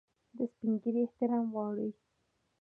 سپین ږیری احترام غواړي